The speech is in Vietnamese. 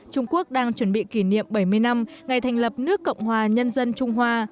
trung quốc đang chuẩn bị kỷ niệm bảy mươi năm ngày thành lập nước cộng hòa nhân dân trung hoa